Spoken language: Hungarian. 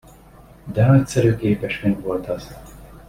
De nagyszerű képeskönyv volt az!